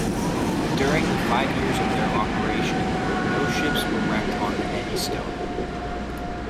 During the five years of their operation, no ships were wrecked on the Eddystone.